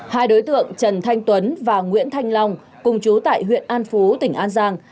hai đối tượng trần thanh tuấn và nguyễn thanh long cùng chú tại huyện an phú tỉnh an giang